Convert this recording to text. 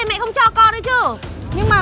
mẹ không cho ấy ạ